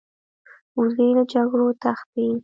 وزې له جګړو تښتي